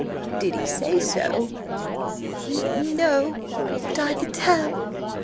"Did he say so?" "N no–but I could tell.